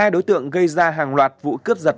hai đối tượng gây ra hàng loạt vụ cướp giật